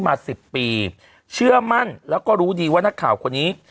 สิบปีเชื่อมั่นแล้วก็รู้ดีว่านักข่าวคนนี้